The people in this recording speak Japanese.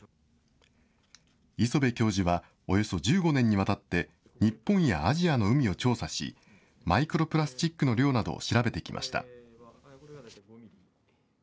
磯辺教授はおよそ１５年にわたって、日本やアジアの海を調査し、マイクロプラスチックの量などを調べてきました。